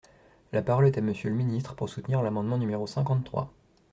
La parole est à Monsieur le ministre, pour soutenir l’amendement numéro cinquante-trois.